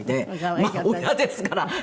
まあ親ですから。